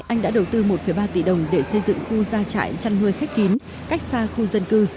anh đã đầu tư một ba tỷ đồng để xây dựng khu gia trại chăn nuôi khép kín cách xa khu dân cư